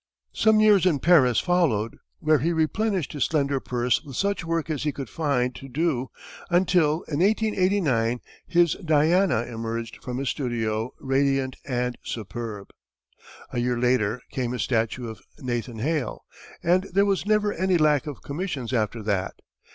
Some years in Paris followed, where he replenished his slender purse with such work as he could find to do, until, in 1889, his "Diana" emerged from his studio, radiant and superb. A year later came his statue of "Nathan Hale," and there was never any lack of commissions after that.